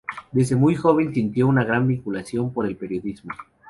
Desde muy joven sintió una gran vinculación por el periodismo.